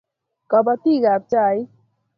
Kabatik ab chaik